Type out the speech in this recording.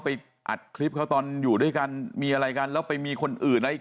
อัดคลิปเขาตอนอยู่ด้วยกันมีอะไรกันแล้วไปมีคนอื่นอะไรอีก